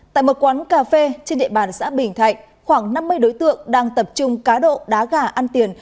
tại một quán cà phê trên địa bàn xã bình thạnh khoảng năm mươi đối tượng đang tập trung cá độ đá gà ăn tiền